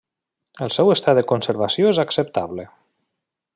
El seu estat de conservació és acceptable.